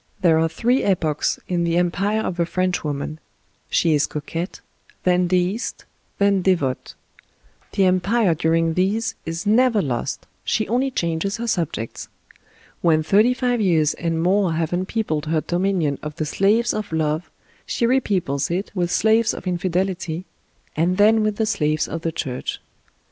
There are three epochs in the empire of a Frenchwoman — she is coquette, then deist, then devote. The empire dur ing these is never lost — ^she only changes her subjects. When thirty five years and more have unpeopled her do minion of the slaves of love she repeoples it with slaves of infidelity, and then with the slaves of the church.